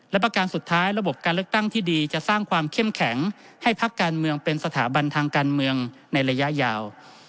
และประการสุดท้ายระบบการเลือกตั้งที่ดีจะสร้างความเข้มแข็งให้พักการเมืองเป็นสถาบันทางการเมืองในระยะยาว